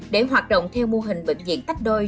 để hoạt động theo mô hình bệnh viện tách đôi